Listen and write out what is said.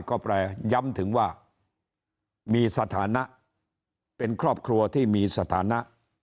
ก็แปรย้ำถึงว่ามีสถานะเป็นครอบครัวที่มีสถานะ